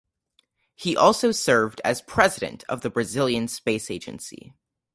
He also served as President of the Brazilian Space Agency.